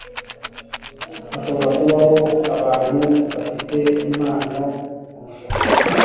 Hashobora kubaho abantu bafite impano kukurusha,